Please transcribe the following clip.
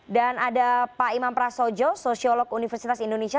dan ada pak imam prasojo sosiolog universitas indonesia